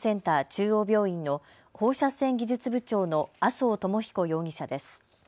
中央病院の放射線技術部長の麻生智彦容疑者です。